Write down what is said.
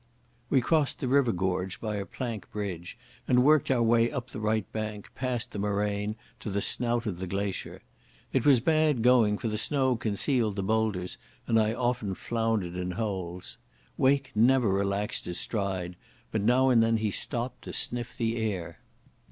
We crossed the river gorge by a plank bridge, and worked our way up the right bank, past the moraine, to the snout of the glacier. It was bad going, for the snow concealed the boulders, and I often floundered in holes. Wake never relaxed his stride, but now and then he stopped to sniff the air.